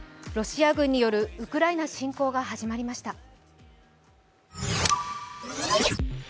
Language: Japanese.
ロシア軍によるウクライナ侵攻が始まりました。